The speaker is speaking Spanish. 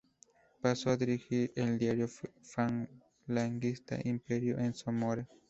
Pasó a dirigir el diario falangista "Imperio", en Zamora.